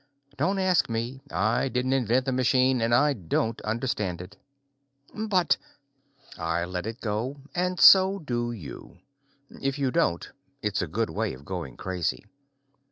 Don't ask me. I didn't invent the machine and I don't understand it." "But...." I let it go, and so do you. If you don't, it's a good way of going crazy.